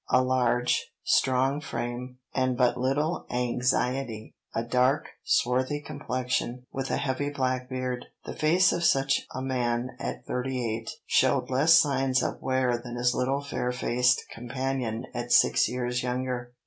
A large, strong frame, and but little anxiety; a dark, swarthy complexion, with a heavy black beard; the face of such a man at thirty eight showed less signs of wear than his little fair faced companion at six years younger.